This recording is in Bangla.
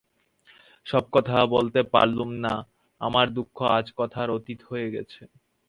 সব কথা বলতে পারলুম না, আমার দুঃখ আজ কথার অতীত হয়ে গেছে।